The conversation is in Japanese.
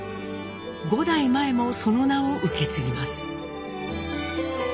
５代前もその名を受け継ぎます。